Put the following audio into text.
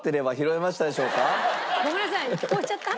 ごめんなさい聞こえちゃった？